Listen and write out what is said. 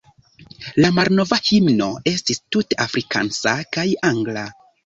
La malnova himno estis tute afrikansa kaj angla.